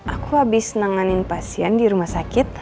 aku habis nanganin pasien di rumah sakit